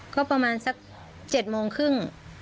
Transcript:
ก็ประมาณสัก๗โมงครึ่ง